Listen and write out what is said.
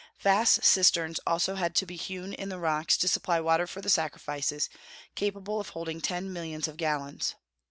Vast cisterns also had to be hewn in the rocks to supply water for the sacrifices, capable of holding ten millions of gallons.